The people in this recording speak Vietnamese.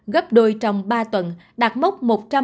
gấp đôi trong ba tuần đạt mốc một trăm ba mươi năm